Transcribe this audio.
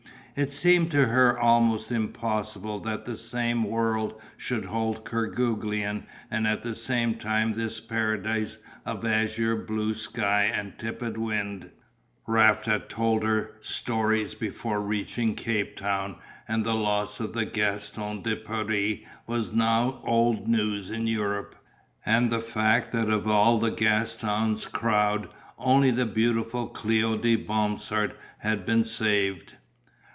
It seemed to her almost impossible that the same world should hold Kerguelen and at the same time this paradise of azure blue sky and tepid wind. Raft had told her story before reaching Cape Town and the loss of the Gaston de Paris was now old news in Europe, and the fact that of all the Gaston's crowd only the beautiful Cléo de Bromsart had been saved.